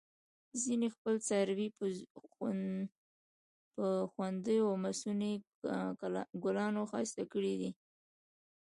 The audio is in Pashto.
ځینې خپل څاروي په ځونډیو او مصنوعي ګلانو ښایسته کړي وي.